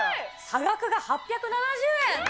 差額が８７０円。